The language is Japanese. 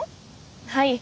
はい。